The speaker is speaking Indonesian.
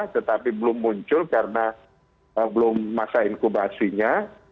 tetapi belum muncul karena belum masa inkubasinya